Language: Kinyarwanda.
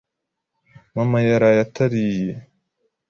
Mama yaraye atariye.